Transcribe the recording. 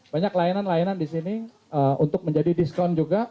banyak layanan layanan di sini untuk menjadi diskon juga